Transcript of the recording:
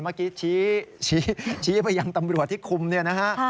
เมื่อกี้ชี้ไปยังตำรวจที่คุมเนี่ยนะฮะ